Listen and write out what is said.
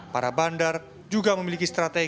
para bandar juga memiliki strategi